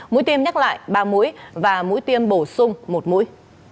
mũi tiêm nhắc lại ba mũi và mũi tiêm bổ sung một mũi